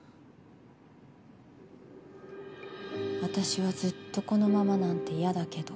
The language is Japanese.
私はずっとこのままなんて嫌だけど。